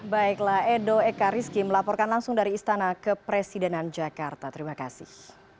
baiklah edo eka rizki melaporkan langsung dari istana ke presidenan jakarta terima kasih